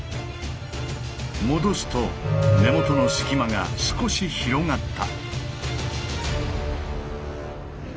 戻すと根元の隙間が少し広がった。